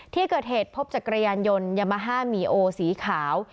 ที่เกิดเหตุพบจักรยานยนต์ยามาฮ่ามีโอสีขาว